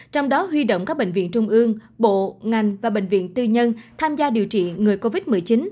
trong đó huy động các bệnh viện trung ương bộ ngành và bệnh viện tư nhân tham gia điều trị người covid một mươi chín